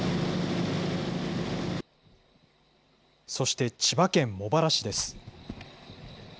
そして千葉県茂原市です。